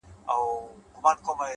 هغه اوس گل ماسوم په غېږه كي وړي،